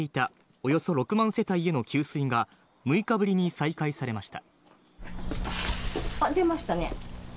およそ６万世帯への給水が６日ぶりに再開されました。